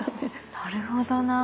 なるほどなぁ。